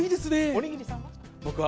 おにぎりさんは？